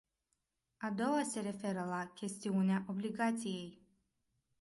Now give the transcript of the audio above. A doua se referă la chestiunea obligației.